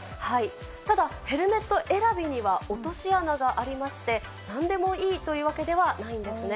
ただ、ヘルメット選びには落とし穴がありまして、なんでもいいというわけではないんですね。